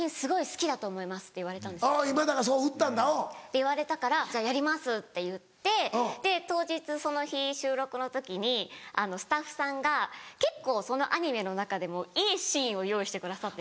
言われたから「じゃあやります」って言って当日その日収録の時にスタッフさんが結構そのアニメの中でもいいシーンを用意してくださってて。